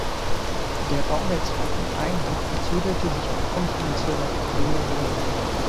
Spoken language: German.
Der Bau der zweiten Einheit verzögerte sich aufgrund finanzieller Probleme der Reederei.